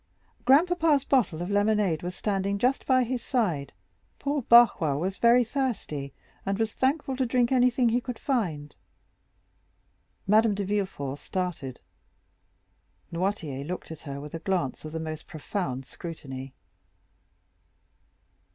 "Grandpapa's bottle of lemonade was standing just by his side; poor Barrois was very thirsty, and was thankful to drink anything he could find." Madame de Villefort started. Noirtier looked at her with a glance of the most profound scrutiny.